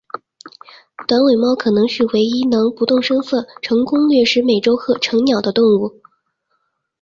短尾猫可能是唯一能不动声色成功掠食美洲鹤成鸟的动物。